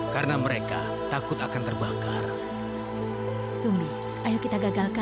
tentu betul salah salah